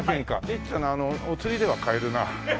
りっちゃんのあのお釣りでは買えるな。